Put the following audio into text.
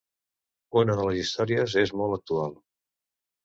Una de les històries és molt actual.